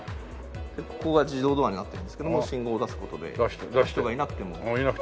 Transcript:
ここが自動ドアになってるんですけども信号を出す事で人がいなくても。